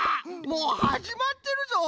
もうはじまってるぞ！